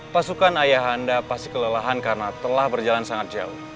pasukan ayahanda pasti kelelahan karena telah berjalan sangat jauh